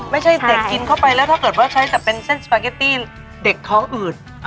ไม่ใช่เด็กกินเข้าไปแล้วถ้าเกิดว่าใช้แต่เป็นเส้นสปาเกตตี้เด็กท้องอืด